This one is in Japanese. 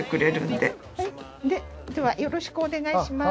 ではよろしくお願いします。